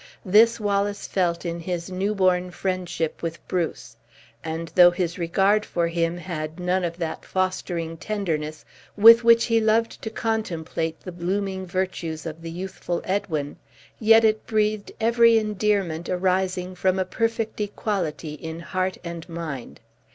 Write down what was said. This Wallace felt in his new born friendship with Bruce; and though his regard for him had none of that fostering tenderness with which he loved to contemplate the blooming virtues of the youthful Edwin, yet it breathed every endearment arising from a perfect equality in heart and mind.